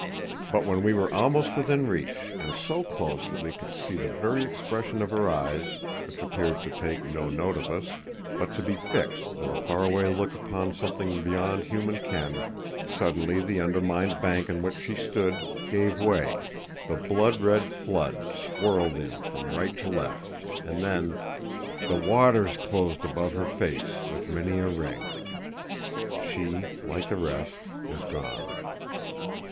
But when we were almost within reach, and so close that we could see the very expression of her eyes, which appeared to take no note of us, but to be fixed, with a far away look upon something beyond human ken, suddenly the undermined bank on which she stood gave way, the blood red flood swirled in from right to left, and then: "The waters closed above her face With many a ring." She, Like the Rest, Is Gone.